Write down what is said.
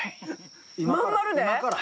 真ん丸で？